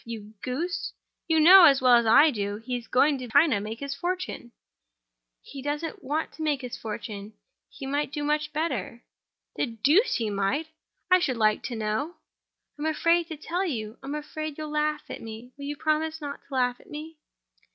You goose! You know, as well as I do, he is going to China to make his fortune." "He doesn't want to make his fortune—he might do much better." "The deuce he might! How, I should like to know?" "I'm afraid to tell you. I'm afraid you'll laugh at me. Will you promise not to laugh at me?"